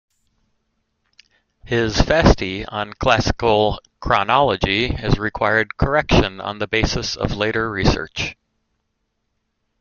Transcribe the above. His "Fasti", on classical chronology, has required correction on the basis of later research.